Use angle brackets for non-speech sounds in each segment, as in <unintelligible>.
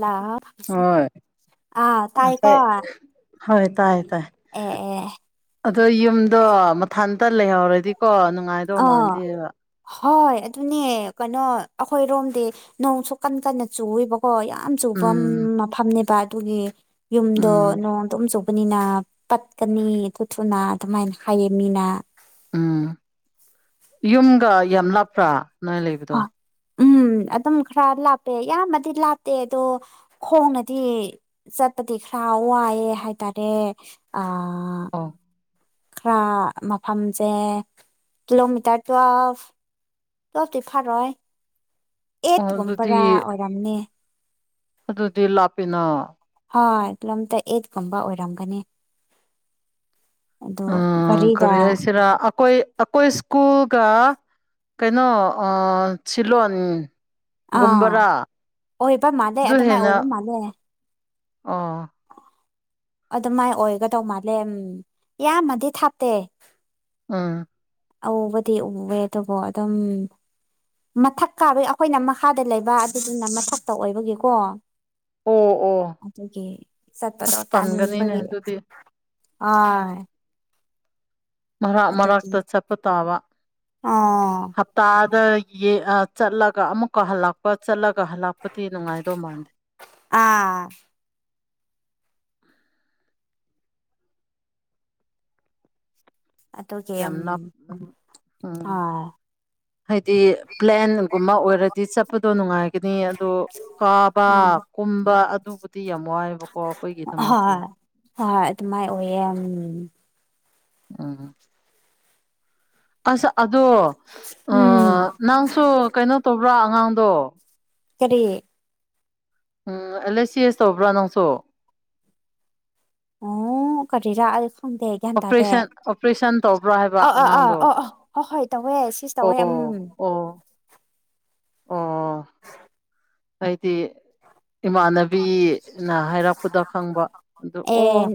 ꯂꯁ ꯍꯣꯏ ꯑꯥ ꯇꯥꯏ ꯀꯣ ꯑꯩꯈꯣꯏ ꯍꯣꯏ ꯇꯥꯏ ꯇꯥꯏ ꯑꯣ ꯑꯣ ꯑꯗꯣ ꯌꯨꯝꯗꯣ ꯃꯊꯟꯇ ꯂꯩꯍꯧꯔꯗꯤꯀꯣ ꯅꯨꯡꯉꯥꯏꯗꯧ ꯑꯥ ꯃꯥꯟꯗꯦꯕ ꯍꯣꯏ ꯑꯗꯨꯅꯦ ꯀꯩꯅꯣ ꯑꯩꯈꯣꯏꯔꯣꯝꯗꯤ ꯅꯣꯡꯁꯨ ꯀꯟꯅ ꯀꯟꯅ ꯆꯨꯏꯕ ꯍꯣ ꯌꯥꯝ ꯆꯨꯕ ꯎꯝ ꯃꯐꯝꯅꯦꯕ ꯑꯗꯨꯒꯤ ꯌꯨꯝꯗꯣ ꯎꯝ ꯅꯣꯡꯗꯣ ꯆ ꯅꯤꯅ ꯄꯠꯀꯅꯤ ꯑꯗꯨ ꯊꯨꯅ ꯑꯗꯨꯃꯥꯏꯅ ꯍꯥꯏꯌꯦ ꯃꯤꯅ ꯎꯝ ꯌꯨꯝꯒ ꯌꯥꯝ ꯅꯥꯞꯄ꯭ꯔꯥ ꯅꯣꯏꯅ ꯂꯩꯕꯗꯣ ꯍꯣꯏ ꯎꯝ ꯑꯗꯨꯝ ꯈꯔ ꯂꯥꯞꯄꯦ ꯏꯌꯥꯝꯕꯗꯤ ꯂꯥꯞꯇꯦ ꯑꯗꯣ ꯈꯣꯡꯅꯗꯤ ꯆꯠꯄꯗꯤ ꯈꯔ ꯋꯥꯏꯑꯦ ꯍꯥꯏꯇꯥꯔꯦ ꯑ ꯑ ꯈꯔ ꯃꯐꯝꯁꯦ ꯀꯤꯂꯣꯃꯤꯇꯔ ꯇꯨꯋꯦꯜꯐ ꯆ ꯇ ꯐꯥꯔꯣꯏ ꯑꯦꯠ ꯑꯣ ꯑꯗꯨꯗꯤ ꯣꯝꯄꯔꯥ ꯑꯣꯏꯔꯝꯅꯦ ꯑꯗꯨꯗꯤ ꯂꯥꯞꯄꯤꯅꯣ ꯍꯣꯏ ꯂꯣꯝꯇ ꯑꯩꯠꯀꯨꯝꯕ ꯑꯣꯏꯔꯝꯒꯅꯤ ꯑꯗꯨ ꯎꯝ ꯒꯥꯔꯤꯗ ꯀꯔꯤ ꯍꯥꯏꯁꯤꯔꯥ ꯑꯩꯈꯣꯏ ꯑꯩꯈꯣꯏ ꯁ꯭ꯀꯨꯜꯒ ꯀꯩꯅꯣ ꯑ ꯁꯤꯣ ꯑꯥ ꯑꯣꯏꯕ ꯃꯥꯜꯂꯦ ꯑꯗꯨꯃꯥꯏ ꯑꯣꯏꯕ ꯃꯥꯜꯂꯦ ꯑꯥ ꯑꯗꯨꯃꯥꯏ ꯑꯣꯏꯒꯗꯧ ꯃꯥꯜꯂꯦ ꯏꯌꯥꯝꯃꯗꯤ ꯊꯥꯞꯇꯦ ꯑꯝ ꯑꯕꯗꯤ ꯎꯋꯦ ꯑꯗꯨꯕꯨ ꯑꯗꯨꯝ ꯃꯊꯛ ꯀꯥꯕꯩ ꯑꯩꯈꯣꯏꯅ ꯃꯈꯥꯗ ꯂꯩꯕ ꯑꯗꯨꯗꯨꯅ ꯃꯊꯛꯇ ꯑꯣꯏꯕꯒꯤꯀꯣ ꯑꯣ ꯑꯣ ꯑꯗꯨꯒꯤ ꯆꯠꯄꯗꯣ ꯑꯁ ꯇꯟꯒꯅꯤꯅꯦ ꯇꯥꯟꯅꯤꯡꯕꯒꯤ ꯑꯗꯨꯗꯤ ꯑ ꯃꯔꯥꯛ ꯃꯔꯥꯛꯛꯇ ꯆꯠꯄ ꯇꯥꯕ ꯑꯣ ꯍꯞꯇꯥ ꯆꯠꯂꯒ ꯑꯃꯨꯛꯀ ꯍꯜꯂꯛꯄ ꯆꯠꯂꯒ ꯀꯍꯂꯄꯇ ꯅꯨꯉꯥꯏꯗꯣ ꯃꯗ ꯑꯥ ꯑꯗꯨꯒꯤ ꯎꯝ ꯌꯥꯝꯅ ꯎꯝ ꯍꯣꯏ ꯍꯥꯏꯗꯤ ꯄ꯭ꯂꯦꯟꯒꯨꯝꯕ ꯑꯣꯏꯔꯗꯤ ꯆꯞꯄ ꯆꯠꯄꯗꯣ ꯅꯨꯡꯉꯥꯏꯒꯅꯤ ꯑꯗꯨꯗꯣ ꯀꯥꯕ ꯎꯝ ꯀꯨꯝꯕ ꯑꯗꯨ ꯤ ꯌꯥꯝ ꯋꯥꯏꯕꯀꯣ ꯑꯩꯈꯣꯏꯒꯤꯗꯃꯥꯁꯦ ꯍꯣꯏ ꯍꯣꯏ ꯑꯗꯨꯃꯥꯏ ꯑꯣꯏꯌꯦ ꯎꯝ ꯑꯥ ꯑꯁ ꯑꯗꯣ ꯎꯝ ꯅꯪꯁꯨ ꯀꯩꯅꯣ ꯇꯧꯕ꯭ꯔꯥ ꯑꯉꯥꯡꯗꯣ ꯀꯔꯤ ꯎꯝ ꯑꯦꯜ ꯑꯦꯁ ꯁꯤ ꯑꯦꯁ ꯇꯧꯕ꯭ꯔꯥ ꯅꯪꯁꯨ ꯑꯣ ꯀꯔꯥ ꯑꯣꯗꯦ ꯟꯇꯥꯗꯦ ꯑꯣꯄꯔꯦꯁꯟ ꯑꯣꯄꯔꯦꯁꯟ ꯇꯧꯕ꯭ꯔꯥ ꯍꯥꯏꯕ ꯑ ꯑ ꯑ ꯑꯉꯥꯡꯗꯣ ꯑꯣ ꯑꯣ ꯍꯣꯏ ꯍꯣꯏ ꯇꯧꯋꯦ ꯁꯤꯁ ꯇꯧꯋꯦ ꯑꯣ ꯎꯝ ꯑꯣ ꯑꯣ ꯑꯥꯏꯗꯤ ꯏꯃꯥꯟꯅꯕꯤꯅ ꯍꯥꯏꯔꯛꯄꯗ ꯈꯪꯕ ꯑꯗꯨ ꯑꯣ ꯑꯦ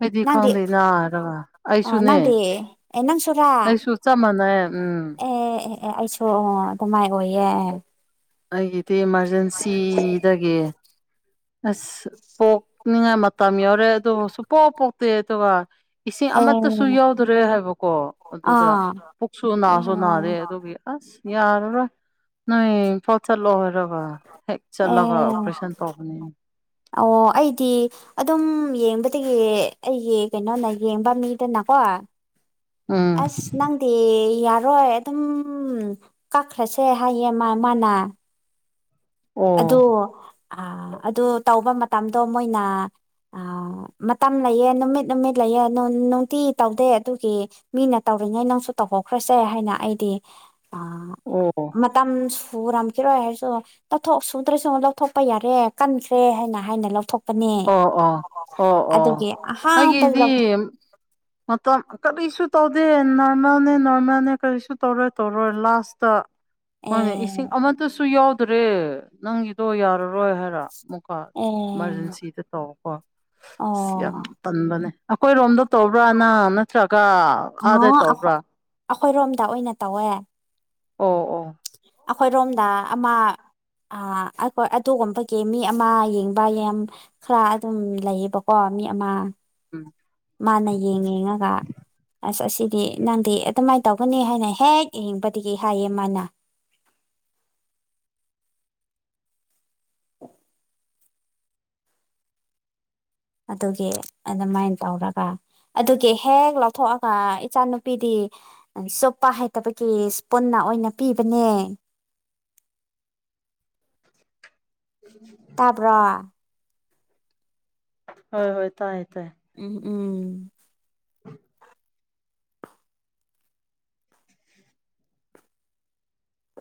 ꯑꯩꯗꯤ ꯅꯪꯗꯤ ꯈꯪꯗꯦꯅ ꯍꯥꯏꯔꯒ ꯑ ꯑꯩꯁꯨꯅꯦ ꯅꯪꯗꯤ ꯑꯦ ꯅꯪꯁꯨꯔꯥ ꯑꯩꯁꯨ ꯆꯞ ꯃꯥꯟꯅꯩ ꯎꯝ ꯑꯦ ꯑꯦ ꯑꯦ ꯑꯩꯁꯨ ꯑꯗꯨꯃꯥꯏ ꯑꯣꯏꯌꯦ ꯑꯩꯒꯤꯗꯤ ꯏꯃꯥꯔꯖꯦꯟꯁꯤꯗꯒꯤ ꯑꯁ ꯄꯣꯛꯅꯤꯡꯉꯥꯏ ꯃꯇꯝ ꯌꯥꯎꯔꯦ ꯑꯗꯨꯗ ꯁꯨ ꯄꯣꯛꯑ ꯄꯣꯛꯇꯦ ꯑꯗꯨꯒ ꯏꯁꯤꯡ ꯑꯦ ꯑꯃꯠꯇꯁꯨ ꯌꯥꯎꯗ꯭ꯔꯦ ꯍꯥꯏꯕꯀꯣ ꯑꯗꯨꯗ ꯑꯥ ꯄꯨꯛꯁꯨ ꯑꯦ ꯅꯥꯁꯨ ꯅꯥꯗꯦ ꯑꯗꯨꯒꯤ ꯑꯁ ꯌꯥꯔ ꯔꯣꯏ ꯅꯣꯏ ꯏꯝꯐꯥꯜ ꯆꯠꯂꯣ ꯍꯥꯏꯔꯒ ꯍꯦꯛ ꯆꯠꯂꯒ ꯑꯦ ꯑꯣꯄꯔꯦꯁꯟ ꯇꯧꯕꯅꯤ ꯑꯣ ꯑꯩꯗꯤ ꯑꯗꯨꯝ ꯌꯦꯡꯕ ꯑꯗꯨꯒꯤ ꯑꯩꯒꯤ ꯀꯩꯅꯣꯅ ꯌꯦꯡꯕ ꯃꯤꯗꯅꯀꯣ ꯎꯝ ꯑꯁ ꯅꯪꯗꯦ ꯌꯥꯔꯣꯏ ꯑꯗꯨꯝ ꯀꯛꯈ꯭ꯔꯁꯦ ꯍꯥꯏꯌꯦ ꯃꯥ ꯃꯥꯅ ꯑꯣ ꯑꯗꯨ ꯑ ꯑꯗꯨ ꯇꯧꯕ ꯃꯇꯝꯗꯣ ꯃꯣꯏꯅ ꯑ ꯃꯇꯝ ꯂꯩꯌꯦꯦ ꯅꯨꯃꯤꯠ ꯅꯨꯃꯤꯠ ꯂꯩꯑꯦ ꯅꯨꯡꯇꯤ ꯇꯧꯗꯦ ꯑꯗꯨꯒꯤ ꯃꯤꯅ ꯇꯧ ꯇꯧꯔꯤꯉꯩ ꯅꯪꯁꯨ ꯇꯧꯊꯣꯛꯈ꯭ꯔꯁꯦ ꯍꯥꯏꯅ ꯑꯩꯗꯤ ꯑ ꯑꯣ ꯃꯝ ꯐꯣꯔꯣꯔꯝꯀꯤꯤꯔꯣ ꯍꯥꯏꯁꯨꯣ ꯂꯧꯊꯣꯛ ꯁꯨꯗ꯭ꯔꯁꯨ ꯂꯧꯊꯣꯛꯄ ꯌꯥꯔꯦ ꯀꯟꯈ꯭ꯔꯦ ꯍꯥꯏꯅ ꯍꯥꯏꯅ ꯂꯧꯊꯣꯛ ꯑꯣ ꯑꯣ ꯑꯣ ꯑꯣ ꯑꯍꯥꯟꯕꯗ ꯑꯩꯒꯤꯗꯤ ꯂꯧꯊꯣꯛ ꯃꯇꯝ ꯀꯔꯤꯁꯨ ꯇꯧꯗꯦ ꯅꯣꯔꯃꯦꯜꯅꯦ ꯅꯣꯔꯃꯦꯜꯅꯦ ꯀꯔꯤꯁꯨ ꯇꯧꯔꯣꯏ ꯇꯧꯔꯣꯏ ꯂꯥꯁꯇ ꯍꯣꯏꯅꯦ ꯑꯦ ꯏꯁꯤꯡ ꯑꯃꯠꯇꯁꯨ ꯌꯥꯎꯗ꯭ꯔꯦ ꯅꯪꯒꯤ ꯇꯣ ꯌꯥꯔꯔꯣꯏ ꯍꯥꯏꯔ ꯃꯨꯀꯥ ꯑꯦ ꯏꯃꯥꯔꯖꯦꯟꯁꯤꯗ ꯇꯧꯀꯣ ꯑ ꯌꯥꯝ ꯑꯣ ꯇꯟꯕꯅꯦ ꯑꯩꯈꯣꯏꯔꯣꯝꯗ ꯇꯣꯕ꯭ꯔꯥꯅꯥ ꯅꯠꯇ꯭ꯔꯒ ꯑꯗꯩ ꯑꯣ ꯇꯣꯕ꯭ꯔꯥ ꯑꯩꯈꯣꯏꯔꯣꯝꯗ ꯑꯣꯏꯅ ꯇꯧꯋꯦ ꯑꯣ ꯑꯣ ꯑꯩꯈꯣꯏꯔꯣꯝꯗ ꯑꯃ ꯑꯥ ꯑꯩꯈꯣꯏ ꯑꯗꯨꯒꯨꯝ ꯐꯩꯒꯤ ꯃꯤ ꯑꯃ ꯌꯦꯡꯕ ꯌꯥꯝ ꯈꯔ ꯑꯗꯨꯝ ꯂꯩꯌꯦꯕꯀꯣ ꯃꯃꯤ ꯑꯃ ꯎꯝ ꯃꯥꯅ ꯌꯦꯡꯡꯉꯒ ꯑꯁ ꯑꯁꯤꯗꯤ ꯅꯪꯗꯤ ꯑꯗꯨꯃꯥꯏꯅ ꯇꯧꯒꯅꯤ ꯍꯥꯏꯅ ꯍꯦꯛ ꯌꯦꯡꯕꯗꯒꯤ ꯍꯥꯏꯌꯦ ꯃꯥꯅ ꯑ ꯑꯣ ꯑꯗꯨꯒꯤ ꯑꯗꯨꯃꯥꯏꯅ ꯇꯧꯔꯒ ꯑꯗꯨꯒꯤ ꯍꯦꯛ ꯂꯧꯊꯣꯛꯑꯒ ꯏꯆꯥꯅꯨꯄꯤꯗꯤ ꯆꯨꯞꯄ ꯍꯩꯇꯕꯒꯤ ꯄꯨꯟꯅ ꯑꯣꯏꯅ ꯄꯤꯕꯅꯦ <inaudible> ꯇꯥꯄ꯭ꯔꯣ ꯍꯣꯏ ꯍꯣꯏ ꯇꯥꯏꯌꯦ ꯇꯥꯏ ꯎꯝ ꯎꯝ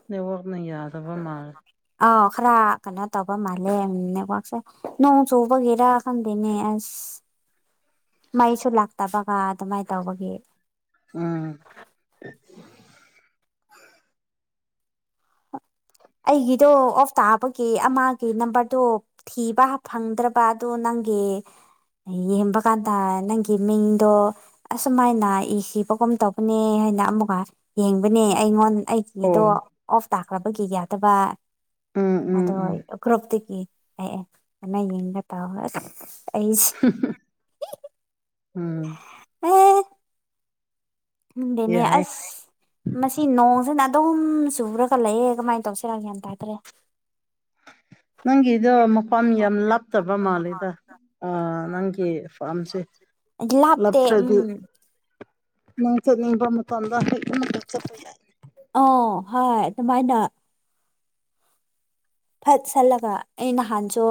ꯅꯦꯋꯔꯛ ꯅ ꯌꯥ ꯊꯕ ꯃꯥ ꯑ ꯈꯔ ꯀꯩꯅꯣ ꯇꯧꯕ ꯃꯥꯜꯂꯦꯅꯦꯀꯥꯛꯁꯦ ꯅꯣꯡ ꯆꯨꯕꯒꯤꯔꯥ ꯈꯪꯗꯦꯅꯦ ꯑꯁ <inaudible> ꯃꯩꯁꯨ ꯂꯥꯛꯇꯕꯒ ꯑꯗꯨꯃꯥꯏꯅ ꯇꯧꯕꯒꯤ ꯎꯝ ꯑꯩꯒꯤꯗꯣ ꯑꯣꯐ ꯇꯥꯕꯒꯤ ꯑꯃꯒꯤ ꯅꯝꯕꯔꯗꯣ ꯊꯤꯕ ꯐꯪꯗ꯭ꯔꯕ ꯑꯗꯨ ꯅꯪ ꯦ ꯌꯦꯡꯕ ꯀꯥꯟꯗ ꯅꯪꯒꯤ ꯃꯤꯡꯗꯣ ꯑꯁꯨꯃꯥꯏꯅ ꯏꯈꯤꯕꯒꯨꯝ ꯇꯧꯕꯅꯦ ꯣꯏꯅ ꯑꯃꯨꯛꯀ ꯌꯦꯡꯕꯅꯦ ꯑꯩꯉꯣꯟ ꯑꯣ ꯑꯩꯒꯤꯗꯣ ꯑꯣꯐ ꯇꯥꯈ꯭ꯔꯕꯒꯤ ꯌꯥꯗꯕ ꯎꯝ ꯎꯝ ꯑꯗꯣ ꯎꯝ ꯒ꯭ꯔꯨꯞꯨꯞꯇꯨꯒꯤ ꯑꯦ ꯃ ꯌꯦꯡꯒ ꯇꯥꯎ ꯑꯩꯁꯦ ꯎꯝ ꯑꯦ ꯈꯪꯗꯦꯅꯦ ꯌꯥꯏ ꯑꯁ ꯃꯁꯤ ꯅꯣꯡꯁꯤꯅ ꯑꯗꯨꯝ ꯆꯨꯔꯒ ꯂꯩꯌꯦ ꯀꯃꯥꯏꯅ ꯇꯧꯁꯤꯔ ꯒ꯭ꯌꯥꯟ ꯇꯥꯗ꯭ꯔꯦ <inaudible> ꯅꯪꯒꯤꯗꯣ ꯃꯐꯝ ꯌꯥꯝ ꯂꯥꯞꯇꯕ ꯃꯥꯜꯂꯤꯗ ꯅꯪꯒꯤ ꯐꯥꯝꯁꯤ ꯂꯥꯞꯇꯦ ꯎꯝ ꯅꯣꯡ ꯆꯠ ꯅꯤꯡꯕ ꯃ ꯃꯇꯝꯗ ꯍꯦꯛꯇ <unintelligible> ꯆꯠꯄ ꯌꯥꯏ ꯑꯣ ꯍꯣꯏ ꯑꯗꯨꯃꯥꯏꯅ ꯐꯠ ꯁꯠꯂꯒ ꯑꯩ ꯅꯍꯥꯟꯁꯨ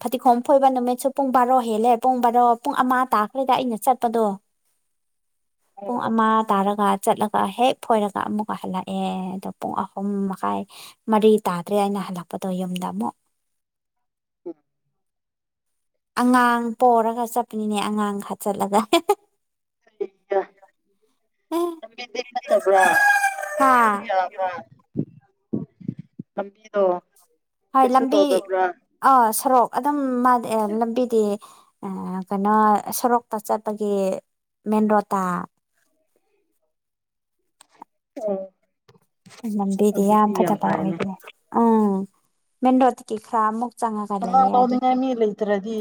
ꯐꯗꯤꯒꯣꯝ ꯐꯣꯏꯕ ꯅꯨꯃꯤꯠꯁꯨ ꯄꯨꯡ ꯕꯥꯔꯣ ꯍꯦꯜꯂꯦ ꯄꯨꯡ ꯕꯥꯔꯣ ꯑꯣ ꯄꯨꯡ ꯑꯃ ꯇꯥꯈ꯭ꯔꯦꯗ ꯑꯩꯅ ꯆꯠꯄꯗꯣ <inaudible> ꯄꯨꯡ ꯑꯃ ꯇꯥꯔꯛ ꯑ ꯆꯠꯂꯒ ꯍꯦꯛ ꯐꯣꯏꯔꯒ ꯑꯃꯨꯛ ꯍꯂꯛꯑꯦ ꯑꯗꯣ ꯄꯨꯡ ꯑꯍꯨꯝ ꯃꯈꯥꯏ ꯃꯔꯤ ꯇꯥꯗ꯭ꯔꯦ ꯥꯑꯩꯅ ꯍꯜꯂꯛꯄꯗꯣ ꯌꯨꯝꯗ ꯑꯃꯨꯛ ꯑꯉꯥꯡ ꯄꯣꯔꯒ ꯆꯠꯄꯅꯤꯅꯦ ꯑꯉꯥꯡ ꯍꯥꯞꯆꯟꯂꯒ <unintelligible> ꯅꯇꯕ꯭ꯔꯣ ꯍꯥ <unintelligible> ꯌꯥꯕ꯭ꯔꯥ ꯂꯝꯕꯤꯗꯣ ꯍꯣꯏ ꯀꯩꯁꯨ ꯇꯧꯗꯕ꯭ꯔꯥ ꯎꯝ ꯃꯥꯟꯅꯦ ꯂꯝꯕꯤꯗꯤ ꯑ ꯀꯩꯅꯣ ꯁꯣꯔꯣꯛꯇ ꯆꯠꯄꯒꯤ ꯃꯦꯟ ꯔꯣꯗꯇꯥ ꯎꯝ ꯂꯝꯕꯤꯗꯤ ꯌꯥꯝ ꯐꯠꯇꯕ ꯑꯣꯏꯗ꯭ꯔꯦ ꯎꯝ ꯃꯦꯟꯔꯣꯠꯇꯗꯒꯤ ꯈꯔ ꯑꯃꯨꯛ ꯆꯪꯉꯒ ꯑꯉꯥꯡ ꯂꯩꯌꯦ ꯑꯗꯨ ꯂꯧꯎꯅꯤꯡꯉꯥꯏ ꯃꯤ ꯂꯩꯇ꯭ꯔꯗꯤ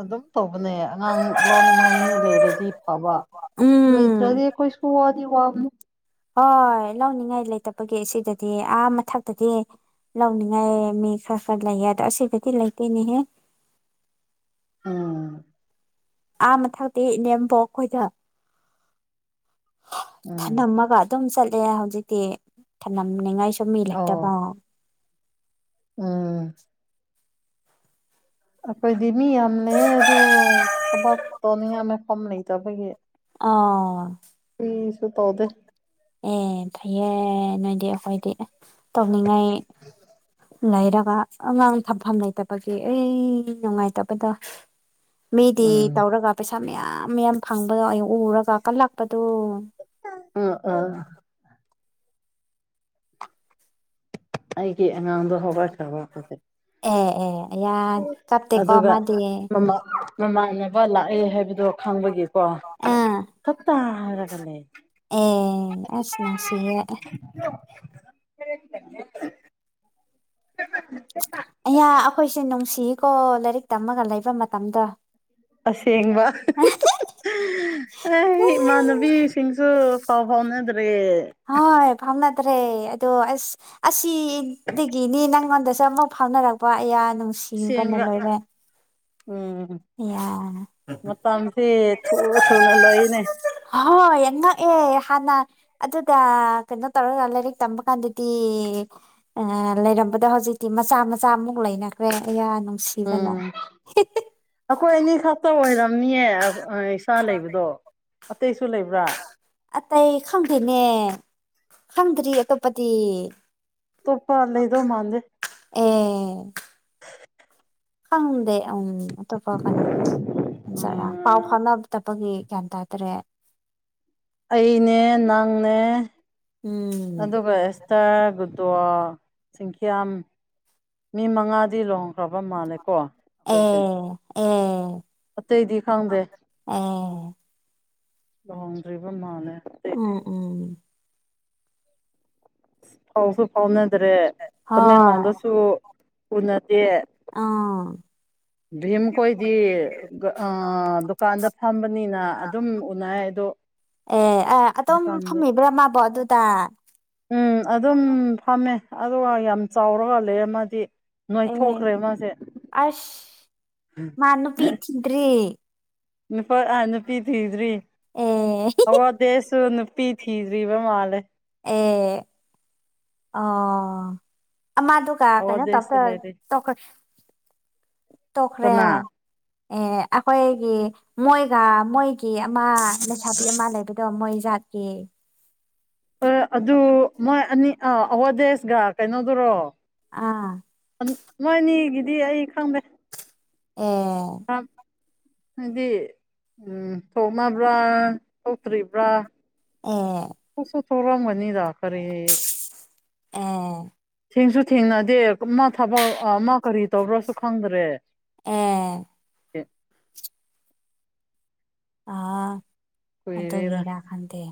ꯑꯗꯨꯝ ꯇꯧꯕꯅꯦ ꯑꯉꯥꯡꯃꯨꯛ ꯂꯧꯅꯤꯡꯉꯥꯏ ꯃꯤ ꯂꯩꯔꯗꯤ ꯐꯕ ꯎꯝ ꯂꯩꯇ꯭ꯔꯗꯤ ꯑꯩꯈꯣꯏꯁꯨ ꯋꯥꯗꯤ ꯋꯥꯕꯅꯤ ꯍꯣꯏ ꯂꯧꯅꯤꯡꯉꯥꯏ ꯂꯩꯇꯕꯒꯤ ꯁꯤꯗꯗꯤ ꯑꯥ ꯃꯊꯛꯇꯗꯤ ꯂꯧꯅꯤꯡꯉꯥꯏ ꯃꯤ ꯈꯔ ꯈ ꯂꯩꯌꯦ ꯑꯗꯣ ꯑꯁꯤꯗꯗꯤ ꯂꯩꯇꯦꯅꯦꯍꯦ ꯑꯥ ꯑꯥ ꯃꯊꯛꯇꯤ ꯏꯅꯦꯝꯄꯣꯛ ꯈꯣꯏꯗ ꯎꯝ ꯊꯅꯝꯃꯒ ꯑꯗꯨꯝ ꯆꯠꯂꯦ ꯍꯧꯖꯤꯛꯇꯤ ꯊꯝꯂꯝꯅꯤꯡꯉꯥꯏ ꯁꯨ ꯃꯤ ꯑꯣ ꯂꯩꯇꯕꯥ ꯎꯝ ꯑꯩꯈꯣꯏꯗꯤ ꯃꯤ ꯌꯥꯝ ꯂꯩ ꯑꯗꯨ ꯊꯕꯛ ꯇꯧꯅꯤꯡꯉꯥꯏ ꯃꯐꯝ ꯂꯩꯇꯕꯒꯤ ꯑ ꯀ꯭ꯔꯤꯁꯨ ꯇꯧꯗꯦ ꯑꯦ ꯐꯩꯌꯦ ꯅꯣꯏꯗꯤ ꯑꯩꯈꯣꯏꯗꯤ ꯇꯧꯅꯤꯡꯉꯥꯏ ꯂꯩꯔꯒ ꯑꯉꯥꯡ ꯊꯝꯐꯝ ꯂꯩꯇꯕꯒꯤ ꯑꯩ ꯅꯨꯡꯉꯥꯏꯇꯕꯗꯣ ꯃꯤꯗꯤ ꯎꯝ ꯇꯧꯔꯒ ꯄꯩꯁꯥ ꯃꯌꯥꯝ ꯃꯌꯥꯝ ꯐꯪꯕꯗꯣ ꯑꯩ ꯎꯔꯒ ꯀꯜꯂꯛꯄꯗꯨ ꯑ ꯑꯥ ꯑꯩꯒꯤ ꯑꯉꯥꯡꯗꯣ ꯍꯧꯒꯠꯈ꯭ꯔꯕ ꯍꯧꯖꯤꯛ ꯑꯦ ꯑꯦ ꯑꯌꯥ ꯀꯞꯇꯦꯀꯣ ꯑꯗꯨꯒ ꯃꯥꯗꯤ ꯃꯃꯥ ꯃꯃꯥꯟꯅꯕ ꯂꯥꯛꯑꯦ ꯍꯥꯏꯕꯗꯣ ꯈꯪꯕꯒꯤꯀꯣ ꯑꯥ ꯈꯠꯇꯥ ꯍꯥꯏꯔꯒꯅꯦ ꯑꯦ ꯑꯩꯁ ꯅꯨꯡꯁꯤꯌꯦ <unintelligible> <inaudible> ꯑꯌꯥ ꯑꯩꯈꯣꯏꯁꯦ ꯅꯨꯡꯁꯤꯀꯣ ꯂꯥꯏꯔꯤꯛ ꯇꯝꯃꯒ ꯂꯩꯕ ꯃꯇꯝꯗꯣ ꯑꯁꯦꯡꯕ ꯑꯩ ꯏꯃꯥꯟꯅꯕꯤꯁꯤꯡꯁꯨ ꯄꯥꯎ ꯐꯥꯎꯅꯗ꯭ꯔꯦ ꯍꯣꯏ ꯐꯥꯎꯅꯗ꯭ꯔꯦ ꯑꯗꯣ ꯑꯁ ꯑꯁꯤꯗꯒꯤꯅꯤ ꯅꯉꯣꯟꯗ ꯁꯤꯗ ꯑꯃꯨꯛ ꯥꯎꯅꯔꯛꯄ ꯑꯌꯥ ꯅꯨꯡꯁꯤꯕꯅ ꯑꯁꯦꯡꯕ ꯂꯣꯏꯔꯦ ꯎꯝ ꯑꯌꯥ ꯃꯇꯝꯁꯤ ꯊꯨ ꯊꯨꯅ ꯂꯣꯏꯅꯦ ꯍꯣꯏ ꯉꯛꯑꯦ ꯍꯥꯟꯅ ꯑꯗꯨꯗ ꯀꯩꯅꯣ ꯇꯧꯔꯒ ꯂꯥꯏꯔꯤꯛ ꯇꯝꯕ ꯀꯥꯟꯗꯗꯤ ꯂꯩꯔꯝꯕꯗ ꯍꯧꯖꯤꯛꯇꯤ ꯃꯆꯥ ꯃꯆꯥꯃꯨꯛ ꯂꯩꯅꯈ꯭ꯔꯦ ꯁꯤꯕꯅ ꯎꯝ ꯑꯩꯈꯣꯏ ꯑꯅꯤ ꯈꯛꯇ ꯑꯣꯏꯔꯝꯅꯤꯌꯦ ꯏꯁꯥ ꯂꯩꯕꯗꯣ ꯑꯇꯩꯁꯨ ꯂꯩꯕ꯭ꯔꯥ ꯑꯇꯩ ꯈꯪꯗꯦꯅꯦ ꯈꯪꯗ꯭ꯔꯤ ꯑꯇꯣꯞꯄꯗꯤ ꯇꯨꯞꯄꯥ ꯂꯩꯗꯣ ꯃꯥꯡꯗ ꯑꯦ ꯈꯪꯗꯦ ꯎꯝ ꯑꯇꯣꯞꯄ ꯀꯅꯥꯖꯔꯥ ꯄꯥꯎ ꯎꯝ ꯐꯥꯎꯅꯕ ꯅꯨꯄꯥꯒꯤ ꯀ꯭ꯌꯥꯟꯇ ꯍꯥꯏꯇꯔꯦ ꯑꯩꯅꯦ ꯅꯪꯅꯦ ꯎꯝ ꯑꯗꯨꯒ ꯑꯦꯁꯇꯥ ꯒꯨꯗꯋꯥ ꯁꯤꯡꯈ꯭ꯌꯥꯝꯝ ꯃꯤ ꯃꯉꯥꯗꯤ ꯂꯣꯡꯈ꯭ꯔꯕ ꯃꯥꯜꯂꯦ ꯀꯣ ꯑꯦ ꯈꯣꯏꯁꯦ ꯑꯦ ꯑꯇꯩꯗꯤ ꯈꯪꯗꯦ ꯑꯦ ꯂꯨꯍꯣꯡꯗ꯭ꯔꯤꯕ ꯃꯥꯜꯅꯦꯦ ꯎꯝ ꯎꯝ ꯐꯥꯎꯁꯨ ꯐꯥꯎꯅꯗ꯭ꯔꯦ ꯍꯣꯏ ꯇꯃꯦꯡꯂꯣꯡꯗꯁꯨꯅ ꯑꯥ <unintelligible> ꯚꯤꯝ ꯈꯣꯏꯗꯤ ꯗꯨꯀꯥꯟꯗ ꯐꯝꯕꯅꯤꯅ ꯑꯗꯨꯝ ꯎꯅ ꯑꯗꯣ <unintelligible> ꯑꯦ ꯑ ꯑꯗꯣꯝ ꯍꯧꯖꯤꯛꯀꯥꯟꯗꯤ ꯐꯝꯃꯤꯕ꯭ꯔꯥ ꯃꯥꯕꯣ ꯑꯗꯨꯗ ꯎꯝ ꯑꯗꯨꯝ ꯐꯝꯃꯦ ꯑꯗꯨꯒ ꯌꯥꯝ ꯆꯥꯎꯔꯒ ꯂꯩ ꯑꯃꯗꯤ ꯅꯣꯏ ꯑꯦ ꯊꯣꯛꯈ꯭ꯔꯦ ꯃꯥꯁꯦ ꯃꯥꯟꯅ ꯄꯤꯆꯤꯟꯔꯤ ꯅꯨꯄꯥ ꯅꯨꯄꯤ ꯊꯤꯗ꯭ꯔꯤ ꯑꯦ ꯑꯋꯥꯗꯦꯁꯨ ꯄ ꯊꯤꯔꯤꯕ ꯃꯥꯂ ꯑꯦ ꯑ ꯃꯥꯗꯨꯒ ꯀꯩꯅꯣ ꯇꯞ ꯑꯋꯥꯗꯦꯁꯁꯨ ꯂꯩꯔꯤ ꯇꯣꯛꯈ꯭ꯔꯦ ꯇꯣꯛꯈ꯭ꯔꯦ ꯀꯅꯥ ꯑꯦ ꯑꯩꯈꯣꯏꯒꯤ ꯃꯣꯏꯒ ꯃꯣꯏꯒꯤ ꯑꯃ ꯂꯩꯁꯥꯕꯤ ꯑꯃ ꯂꯩꯕꯗꯣ ꯃꯣꯏꯖꯏ ꯊꯦ ꯍ ꯑꯗꯨ ꯃꯣꯏ ꯑꯅꯤ ꯑ ꯑꯋꯥꯗꯦꯁꯒ ꯀꯩꯅꯣꯗꯨꯔꯣ ꯑꯥ ꯃꯅꯤꯒꯤꯗꯤ ꯑꯩ ꯈꯪꯗꯦ ꯑꯣ ꯍꯥꯏꯗꯤ ꯎꯝ ꯊꯣꯛꯣꯡꯃꯕ꯭ꯔꯥ ꯊꯧꯇ꯭ꯔꯤꯕ꯭ꯔꯥ ꯑꯣ ꯑꯁꯨꯣ ꯊꯔꯥ ꯃꯅꯤꯗ ꯈꯔꯦ ꯑꯥ ꯊꯦꯡꯁꯨ ꯊꯦꯡꯅꯗ ꯗ ꯃꯥ ꯊꯕꯛ ꯃꯥ ꯀꯔꯤ ꯇꯧꯕ꯭ꯔꯁꯨ ꯈꯪꯗ꯭ꯔꯦ ꯑꯦ ꯑꯦ ꯑ ꯑꯠꯇꯣꯒꯦꯔꯥ ꯈꯟꯗꯦ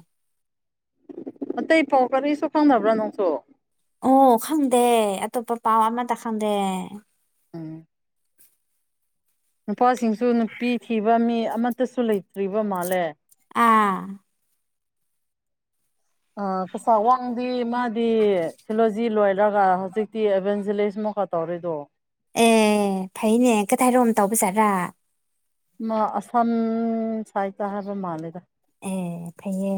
ꯑꯇꯩ ꯐꯥꯎ ꯀꯔꯤꯁꯨ ꯈꯪꯅꯕ꯭ꯔꯥ ꯅꯪꯁꯨ ꯑꯣ ꯈꯪꯗꯦ ꯑꯇꯣꯞꯄ ꯄꯥꯎ ꯑꯃꯇ ꯈꯪꯗꯦ ꯎꯝ ꯅꯨꯄꯥꯁꯤꯡꯁꯨ ꯅꯨꯄꯤ ꯊꯤꯕ ꯃꯤ ꯑꯃꯠꯇꯁꯨ ꯂꯩꯇ꯭ꯔꯤꯕ ꯃꯥꯜꯂꯦ ꯑꯥ ꯑ ꯄꯩꯁꯥ ꯋꯥꯡꯗꯤ ꯃꯥꯗꯤ ꯊꯤꯂꯣꯖꯤ ꯂꯣꯏꯔꯒ ꯍꯧꯖꯤꯛꯇꯤ ꯑꯦꯚꯦꯟꯖꯦꯂꯤꯁ ꯃꯈ ꯈ ꯇꯧꯔꯦꯗꯣ ꯑꯦ ꯐꯩꯅꯦ ꯀꯊꯥꯏꯔꯣꯝ ꯇꯧꯕ ꯆꯠ꯭ꯔꯥ ꯑꯁꯥꯝ ꯁꯥꯏꯠꯇ ꯍꯥꯏꯕ ꯃꯥꯜꯂꯦꯗ ꯑꯦ ꯐꯌꯦ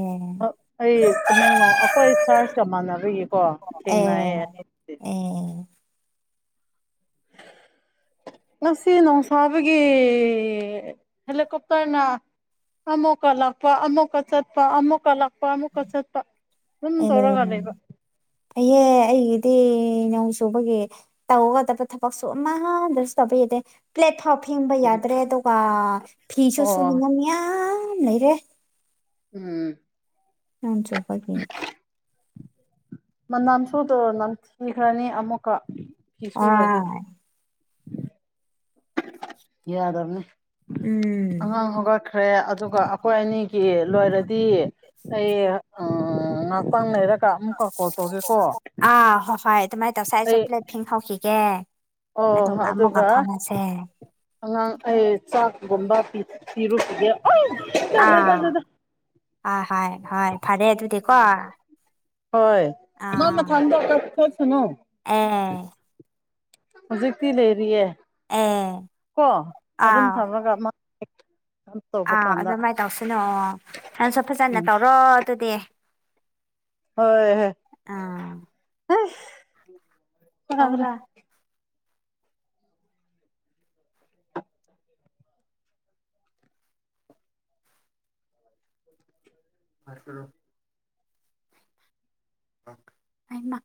ꯑꯩ ꯇꯃꯦꯡꯂꯣꯡ ꯑꯩꯈꯣꯏ ꯆꯥꯔꯖꯀ ꯃꯥꯟꯅꯔꯏꯀꯣ ꯑꯦ ꯊꯦꯡꯅꯑꯌꯦ ꯑꯗꯨꯗꯤ <inaudible> ꯑꯦ <inaudible> ꯉꯁꯤ ꯣꯡꯁꯥꯕꯒꯤ ꯍꯦꯂꯤꯀꯣꯞꯇꯔꯅ ꯑꯃꯣ ꯀ ꯂꯥꯛꯄ ꯑꯃꯣ ꯀ ꯆꯠꯄ ꯑꯃꯣ ꯀ ꯂꯥꯛꯄ ꯑꯃꯨꯛꯀ ꯆꯠꯄ ꯑꯗꯨꯝ ꯑꯣ ꯇꯧꯔꯒ ꯂꯩꯕ ꯑꯦ ꯑꯩꯒꯤꯗꯤ ꯏꯅꯧ ꯆꯨꯕꯒꯤ ꯇꯧꯒꯗꯕ ꯊꯕꯛꯁꯨ ꯑꯃꯗꯁꯨ ꯇꯧꯕ ꯌꯥꯗꯦ ꯄ꯭ꯂꯦꯠꯐꯣꯝ ꯊꯦꯡꯕ ꯌꯥꯗ꯭ꯔꯦ ꯑꯗꯨꯒ ꯐ꯭ꯔꯤꯁꯨ ꯑꯣ ꯁꯨꯅꯤꯅ ꯃꯌꯥꯝ ꯂꯩꯔꯦ ꯎꯝ ꯅꯣꯟ ꯆꯣꯕꯅꯦ ꯃꯅꯝ ꯁꯨꯗꯧꯣ ꯅꯝꯊꯤꯈ꯭ꯔꯅꯤ ꯑꯃꯨꯛꯀ ꯐꯤ ꯁꯨꯔꯗꯤ ꯑꯥ ꯌꯥ ꯌꯥꯗꯔꯅꯤ ꯎꯝ ꯑꯉꯥꯡ ꯍꯒ ꯈ꯭ꯔꯦ ꯑꯗꯨꯒ ꯑꯩꯈꯣꯏ ꯑꯅꯤꯒꯤ ꯂꯣꯏꯔꯗꯤ ꯑꯩ ꯥꯡꯔ ꯑꯥ ꯍꯣꯏ ꯍꯣꯏ ꯑꯗꯨꯃꯥꯏꯅ ꯇꯧꯁꯦ ꯑꯩ ꯑꯩꯁꯨ ꯄ꯭ꯂꯦꯠ ꯐꯤꯡꯍꯧꯈꯤꯒꯦ ꯑꯣ ꯑꯗꯨꯒ ꯑꯉꯥꯡ ꯑꯩ ꯆꯥꯛꯒꯨꯝꯕ ꯄꯤ ꯣ ꯆ ꯆꯗꯗ ꯑ ꯍ ꯍ ꯐꯔꯦ ꯑꯗꯨꯗꯤ ꯀꯣ ꯍꯣꯏ ꯃꯥ ꯃꯊꯗꯊ ꯁꯅꯨ ꯑꯦ ꯍꯧꯖꯤꯛꯇꯤ ꯂꯩꯔꯤꯌꯦꯦ ꯑꯦ ꯀꯣ ꯑꯗꯨꯝ ꯊꯝꯔꯒ ꯑꯥ ꯑꯗꯨꯃꯥꯏꯅ ꯇꯧꯁꯤꯅꯨꯑꯣ ꯅꯪꯁꯨ ꯐꯖꯅ ꯎꯝ ꯇꯧꯔꯣ ꯑꯗꯨꯗꯤ ꯍꯣꯏ ꯍꯣꯏ ꯑꯥ ꯀꯧꯔ ꯃꯔꯁꯨꯣ ꯑꯃ